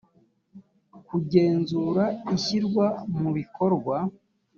kugenzura ishyirwa mu bikorwa